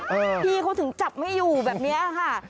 พี่เขาถึงจับไม่อยู่แบบนี้ค่ะ